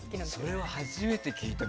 それは初めて聞いた。